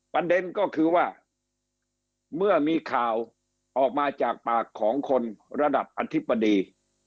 ประเด็นก็คือว่าเมื่อมีข่าวออกมาจากปากของคนระดับอธิบดี